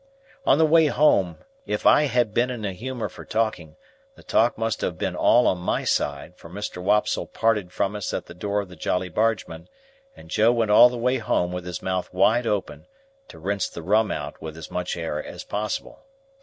On the way home, if I had been in a humour for talking, the talk must have been all on my side, for Mr. Wopsle parted from us at the door of the Jolly Bargemen, and Joe went all the way home with his mouth wide open, to rinse the rum out with as much air as possible.